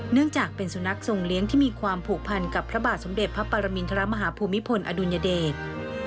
เนื่องจากเป็นสุนัขทรงเลี้ยงที่มีความผูกพันกับพระบาทสมเด็จพระปรมินทรมาฮภูมิพลอดุลยเดช